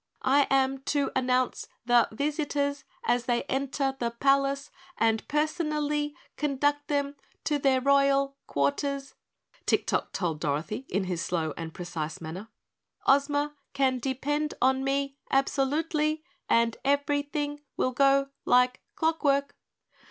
"I am to an nounce the vis i tors as they en ter the pal ace and per son a al ly con duct them to their roy al quar ters," Tik Tok told Dorothy in his slow and precise manner. "Oz ma can de pend on me ab so lute ly and ev e ry thing will go like clock work."